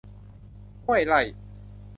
ห้วยไร่